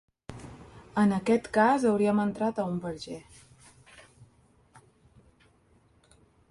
En aquest cas, hauríem entrat en un verger.